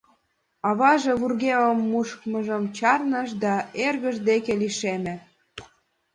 Аваже вургемым мушмыжым чарныш да эргыж деке лишеме.